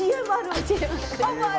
かわいい。